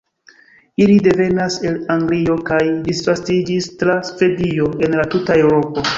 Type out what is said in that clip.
Ili devenas el Anglio kaj disvastiĝis tra Svedio en la tuta Eŭropo.